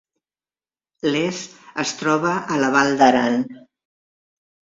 Les es troba a la Val d’Aran